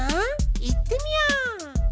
いってみよう！